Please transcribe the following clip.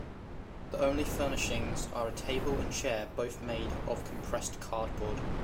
The only furnishings are a table and chair, both made of compressed cardboard.